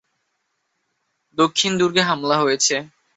দক্ষিণ দুর্গে হামলা হয়েছে!